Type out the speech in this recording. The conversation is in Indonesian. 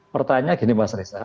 pertanyaan gini mas riza